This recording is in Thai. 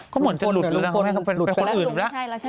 ก็เหมือนจะหลุดเลยนะเป็นคนอื่นละ